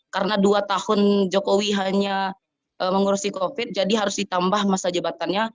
karena dua tahun jokowi hanya mengurusi covid jadi harus ditambah masa jebatannya